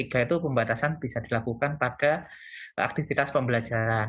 yaitu pembatasan bisa dilakukan pada aktivitas pembelajaran